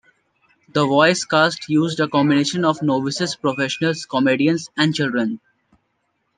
The voice cast used a combination of novices, professionals, comedians, and children.